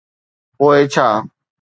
پوءِ ڇا؟